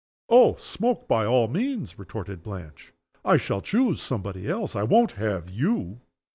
"Oh! smoke by all means!" retorted Blanche. "I shall choose somebody else. I won't have you!"